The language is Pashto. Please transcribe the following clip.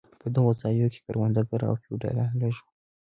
په دغو ځایو کې کروندګر او فیوډالان لږ وو.